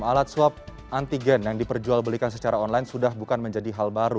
alat swab antigen yang diperjual belikan secara online sudah bukan menjadi hal baru